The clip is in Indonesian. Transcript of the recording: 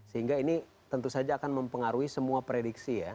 sehingga ini tentu saja akan mempengaruhi semua prediksi ya